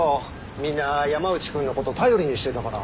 みんな山内君のこと頼りにしてたから。